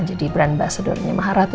jadi brand ambassadornya maharatu